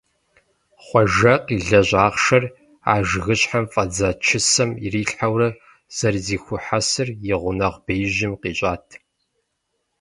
Хъуэжэ къилэжь ахъшэр а жыгыщхьэм фӀэдза чысэм ирилъхьэурэ зэрызэхуихьэсыр и гъунэгъу беижьым къищӀат.